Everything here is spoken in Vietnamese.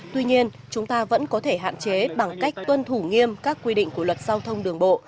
tuy nhiên chúng ta vẫn có thể hạn chế bằng cách tuân thủ nghiêm các quy định của luật giao thông đường bộ